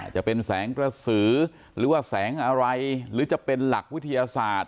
จะเป็นแสงกระสือหรือว่าแสงอะไรหรือจะเป็นหลักวิทยาศาสตร์